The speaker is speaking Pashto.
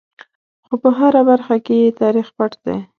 خو په هره برخه کې یې تاریخ پټ دی.